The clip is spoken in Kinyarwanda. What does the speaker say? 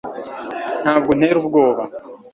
ntabwo untera ubwoba